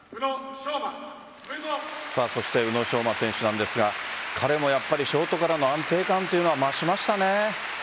そして宇野昌磨選手なんですが彼もやっぱりショートからの安定感が増しましたね。